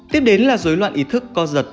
tiếp đến là dối loạn ý thức co giật